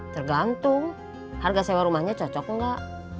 tergantung harga sewa rumahnya cocok nggak